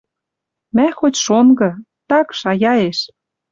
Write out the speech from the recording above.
Мӓ хоть шонгы. Так шаяэш.